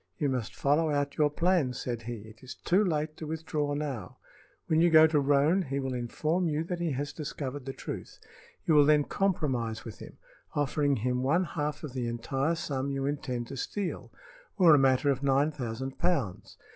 "You must follow out your plans," said he. "It is too late to withdraw now. When you go to Roane he will inform you that he has discovered the truth. You will then compromise with him, offering him one half of the entire sum you intend to steal, or a matter of nine thousand pounds.